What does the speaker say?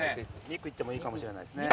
肉行ってもいいかもしれないですね。